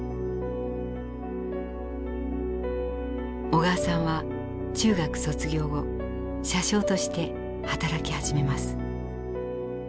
小川さんは中学卒業後車掌として働き始めます。